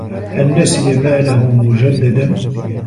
هل نسي ماله مجدّدا؟